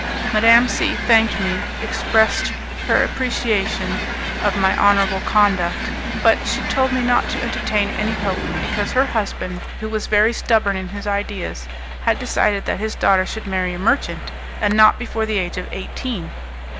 Madame C thanked me, expressed her appreciation of my honourable conduct, but she told me not to entertain any hope, because her husband, who was very stubborn in his ideas, had decided that his daughter should marry a merchant, and not before the age of eighteen.